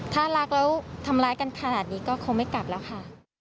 ถ้ารักแล้วทำร้ายกันขนาดนี้ก็คงไม่กลับแล้วค่ะ